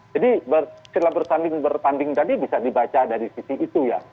jadi setelah bersanding berpanding tadi bisa dibaca dari sisi itu ya